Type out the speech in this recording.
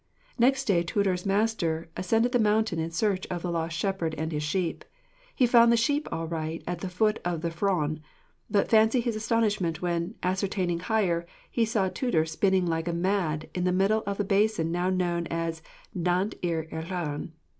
Next day Tudur's master ascended the mountain in search of the lost shepherd and his sheep. He found the sheep all right at the foot of the Fron, but fancy his astonishment when, ascending higher, he saw Tudur spinning like mad in the middle of the basin now known as Nant yr Ellyllon.'